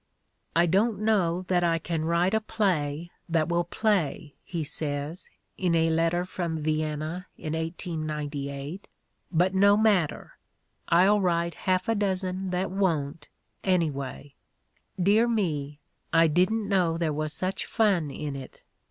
"I don't know that I can write a play that wiU play," he says, in a letter from Vienna in 1898; "but no matter, I'll write half a dozen that won't, anyway. Dear me, I didn't know there was such fun in it.